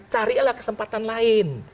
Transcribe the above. carilah kesempatan lain